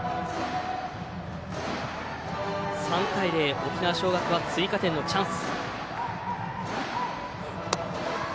沖縄尚学は追加点のチャンス。